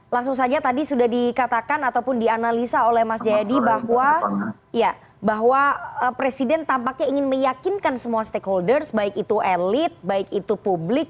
langsung saja tadi sudah dikatakan ataupun dianalisa oleh mas jayadi bahwa presiden tampaknya ingin meyakinkan semua stakeholders baik itu elit baik itu publik